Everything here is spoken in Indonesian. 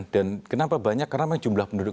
dan kenapa banyak karena jumlah penduduk